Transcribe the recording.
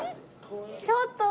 ちょっと！